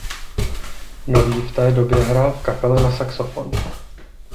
Nový v té době hrál v kapele na saxofon.